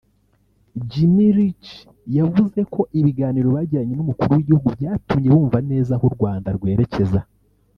Jim Leech yavuze ko ibiganiro bagiranye n’Umukuru w’igihugu byatumye bumva neza aho u Rwanda rwerekeza